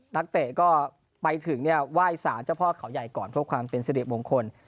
เตะก็ไปถึงเนี่ยไหว้สารเจ้าพ่อเขาใหญ่ก่อนเพื่อความเป็นสิริมงคล